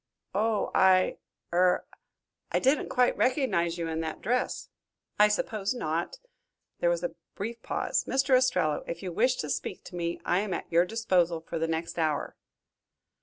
"Oh, I er I didn't quite recognize you in that dress." "I suppose not." There was a brief pause. "Mr. Ostrello, if you wish to speak to me, I am at your disposal for the next hour."